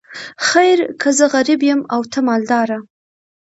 خیر که زه غریب یم او ته مالداره.